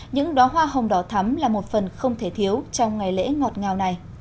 những đoá hoa hồng đỏ thắm là một phần không thể thiếu trong ngày lễ ngọt ngào này